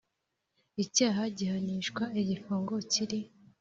Icyaha gihanishwa igifungo kiri